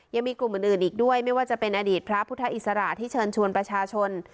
ยังมีกลุ่มอื่นอีกด้วยไม่ว่าจะเป็นอดีตพระพุทธอิสระที่เชิญชวนประชาชน